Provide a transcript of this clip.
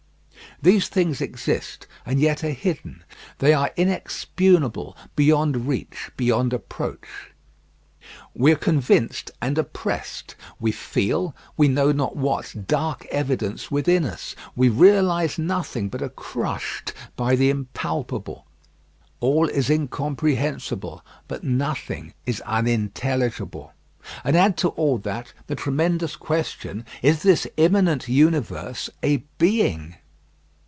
These things exist and yet are hidden; they are inexpugnable, beyond reach, beyond approach. We are convinced and oppressed we feel, we know not what dark evidence within us; we realise nothing, but are crushed by the impalpable. All is incomprehensible, but nothing is unintelligible. And add to all that, the tremendous question: Is this immanent universe a Being?